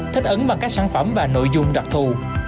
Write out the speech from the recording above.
thích ứng bằng các sản phẩm và nội dung đặc thù